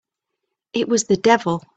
It was the devil!